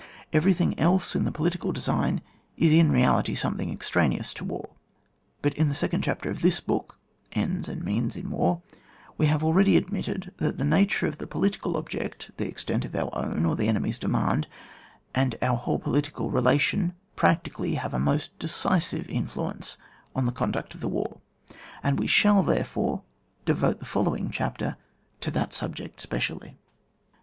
Eveiything else in the political design is in reality something extraneous to war; but in the second chapter of the first book (End and Means in War) we have already admitted that the nature of the political object, the extent of our own or the enemy's demaud, and our whole political relation practically have a most decisive infiuence on the conduct of the war, and we shall therefore devote the following chapter to that subject specially.